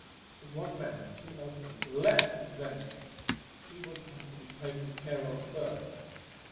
As one man the two Earthlings leaped on Xantra; he would have to be taken care of first.